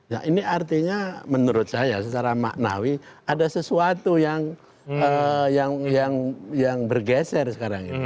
nah ini artinya menurut saya secara maknawi ada sesuatu yang bergeser sekarang ini